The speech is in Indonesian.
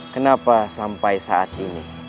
kenapa sampai saat ini